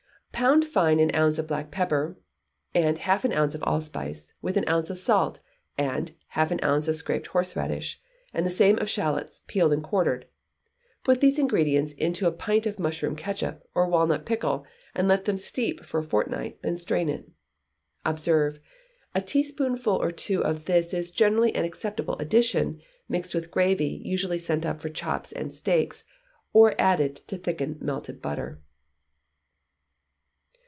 Pound fine an ounce of black pepper, and half an ounce of allspice, with an ounce of salt, and half an ounce of scraped horseradish, and the same of shalots, peeled and quartered; put these ingredients into a pint of mushroom ketchup, or walnut pickle, and let them steep for a fortnight, and then strain it. Observe. A teaspoonful or two of this is generally an acceptable addition, mixed with the gravy usually sent up for chops and steaks; or added to thick melted butter.